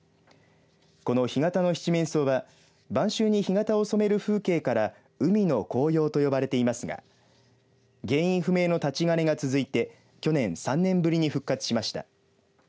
この干潟のシチメンソウは晩秋、新潟を染める風景から海の紅葉とよばれていますが原因不明の立ち枯れが続いて去年３年ぶりに復活しました。